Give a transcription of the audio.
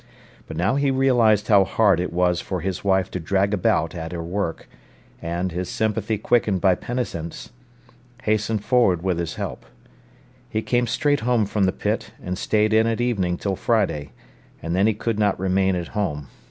But now he realised how hard it was for his wife to drag about at her work, and, his sympathy quickened by penitence, hastened forward with his help. He came straight home from the pit, and stayed in at evening till Friday, and then he could not remain at home.